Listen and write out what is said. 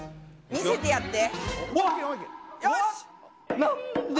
見せてやって。